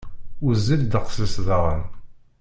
Wezzil ddeqs-is daɣen.